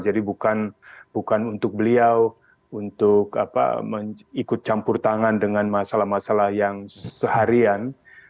jadi bukan untuk beliau untuk ikut campur tangan dengan masalah masalah yang seharian